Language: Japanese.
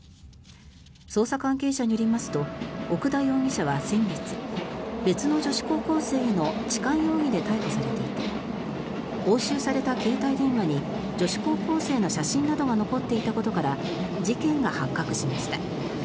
捜査関係者によりますと奥田容疑者は先月別の女子高校生への痴漢容疑で逮捕されていて押収された携帯電話に女子高校生の写真などが残っていたことから事件が発覚しました。